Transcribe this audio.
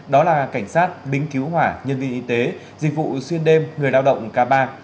đó là cảnh sát bính cứu hỏa nhân viên y tế dịch vụ xuyên đêm người lao động k ba